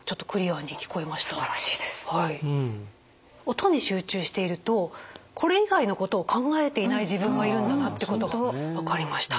音に集中しているとこれ以外のことを考えていない自分がいるんだなってことが分かりました。